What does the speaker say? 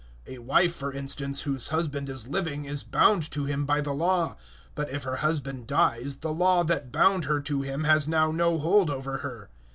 007:002 A wife, for instance, whose husband is living is bound to him by the Law; but if her husband dies the law that bound her to him has now no hold over her.